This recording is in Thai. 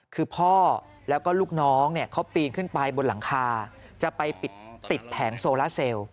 คือพ่อแล้วก็ลูกน้องเขาปีนขึ้นไปบนหลังคาจะไปปิดติดแผงโซลาเซล